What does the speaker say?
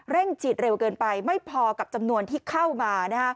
ฉีดเร็วเกินไปไม่พอกับจำนวนที่เข้ามา